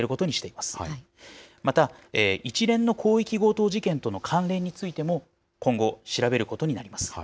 また、一連の広域強盗事件との関連についても、今後調べることになります。